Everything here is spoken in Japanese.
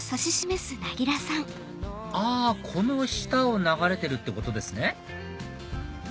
あこの下を流れてるってことですね